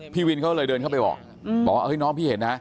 พี่วินเขาเลยเดินเข้าไปบอกบอกว่าน้องพี่เห็นนะ